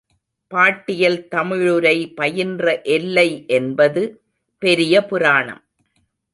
பாட்டியல் தமிழுரை பயின்ற எல்லை என்பது பெரிய புராணம்.